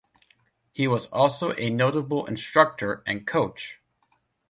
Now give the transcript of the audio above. He was also a notable instructor and coach.